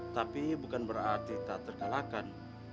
tapi bukan berarti tak terkalahkan